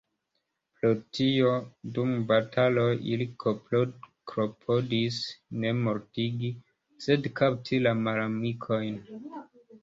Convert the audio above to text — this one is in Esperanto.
Pro tio dum bataloj ili klopodis ne mortigi, sed kapti la malamikojn.